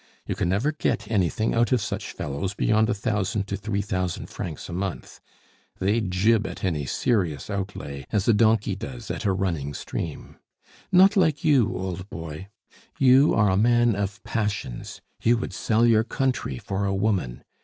You can never get anything out of such fellows beyond a thousand to three thousand francs a month; they jib at any serious outlay, as a donkey does at a running stream. "Not like you, old boy. You are a man of passions; you would sell your country for a woman.